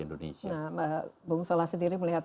indonesia mbak bung solah sendiri melihat